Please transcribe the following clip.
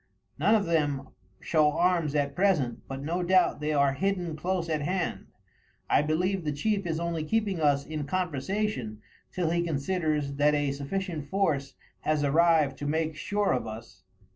None of them show arms at present, but no doubt they are hidden close at hand. I believe the chief is only keeping us in conversation till he considers that a sufficient force has arrived to make sure of us."